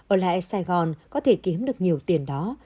ở lại sài gòn có thể kiếm được nhiều tiền đó